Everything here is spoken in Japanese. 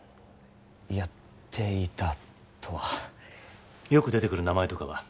やっていたとはよく出てくる名前とかは？